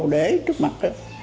để trước mặt